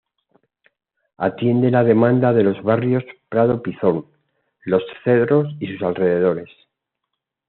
Atiende la demanda de los barrios Prado Pinzón, Los Cedros y sus alrededores.